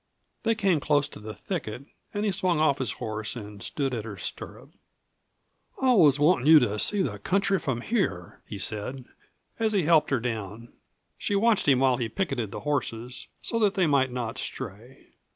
They came close to the thicket, and he swung off his horse and stood at her stirrup. "I was wantin' you to see the country from here," he said, as he helped her down. She watched him while he picketed the horses, so that they might not stray.